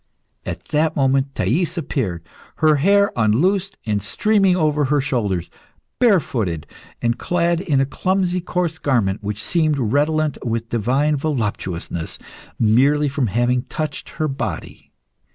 At that moment Thais appeared, her hair unloosed and streaming over her shoulders, barefooted, and clad in a clumsy coarse garment which seemed redolent with divine voluptuousness merely from having touched her body.